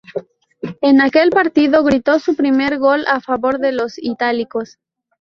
En aquel partido gritó su primer gol a favor de los itálicos.